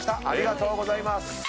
ありがとうございます。